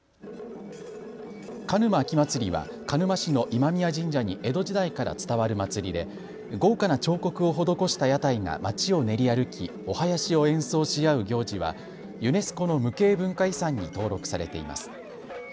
鹿沼秋まつりは鹿沼市の今宮神社に江戸時代から伝わる祭りで豪華な彫刻を施した屋台がまちを練り歩きお囃子を演奏し合う行事はユネスコの無形文化遺産に登録されています。